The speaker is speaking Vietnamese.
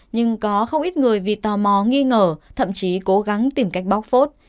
nhưng có không ít người vì tò mò nghi ngờ thậm chí cố gắng tìm cách bóc phốt